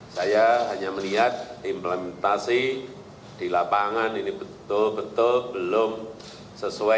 saya hanya melihat implementasi di lapangan ini betul betul belum sesuai